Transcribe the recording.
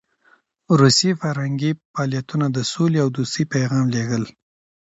روسي فرهنګي فعالیتونه د سولې او دوستۍ پیغام لېږل.